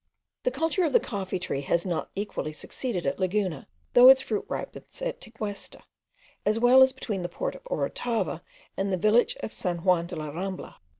The culture of the coffee tree has not equally succeeded at Laguna, though its fruit ripens at Teguesta, as well as between the port of Orotava and the village of St. Juan de la Rambla.